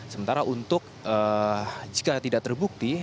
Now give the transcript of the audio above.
sementara untuk jika tidak terbukti